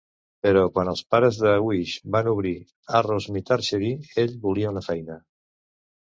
Però quan els pares de Huish van obrir Arrowsmith Archery, ell volia una feina.